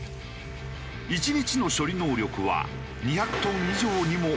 １日の処理能力は２００トン以上にも及ぶという。